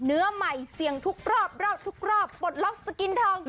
เนื้อใหม่เสี่ยงทุกรอบรอบทุกรอบปลดล็อกสกินทอง